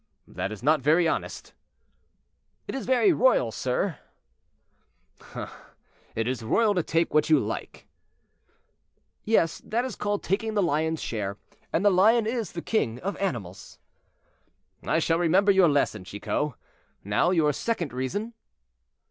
"That is not very honest." "It is very royal, sire." "Ah! it is royal to take what you like." "Yes; that is called taking the lion's share, and the lion is the king of animals." "I shall remember your lesson, Chicot. Now, your second reason."